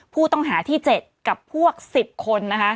ผู้ต้องหาที่๗กับพวก๑๐คน